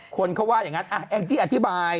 คนเขาว่าอย่างนั้นแองจี้อธิบาย